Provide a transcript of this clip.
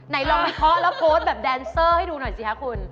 ลองวิเคราะห์แล้วโพสต์แบบแดนเซอร์ให้ดูหน่อยสิคะคุณ